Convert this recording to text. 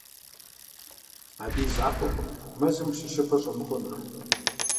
Абы и закъуэкъым мэзым ущыщыпэ щӀэмыхъунур.